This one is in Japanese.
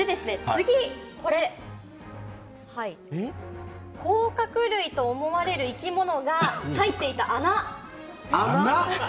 これは甲殻類と思われる生き物が入っていた穴。